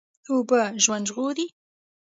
اوبه ژوند ژغوري.